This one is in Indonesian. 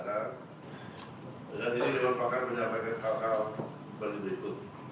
saya ingin mengucapkan penyampaian kakau kakau berikut